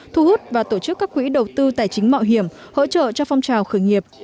thu hút và tổ chức các quỹ đầu tư tài chính mạo hiểm hỗ trợ cho phong trào khởi nghiệp